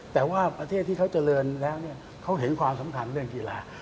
แต่ว่าประเทศที่เขาเจริญแล้วเขาเห็นความสำคัญเรื่องกีฬา